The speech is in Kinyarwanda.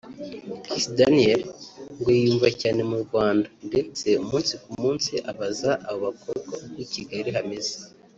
Kiss Daniel ngo yiyumva cyane mu Rwanda ndetse umunsi ku munsi abaza aba bakobwa uko i Kigali hameze